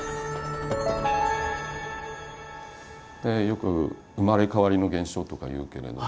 よく「生まれ変わりの現象」とかいうけれども